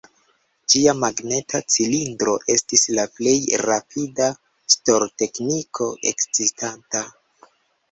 Ĝia magneta cilindro estis la plej rapida stor-tekniko ekzistanta.